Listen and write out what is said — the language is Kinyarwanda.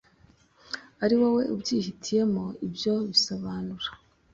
ari wowe ubyihitiyemo ibyo bisobanura